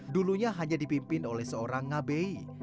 dulunya hanya dipimpin oleh seorang ngabei